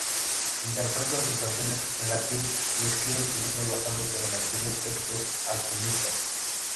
Interpretan sus canciones en latín y escriben sus letras basándose en antiguos textos alquimistas.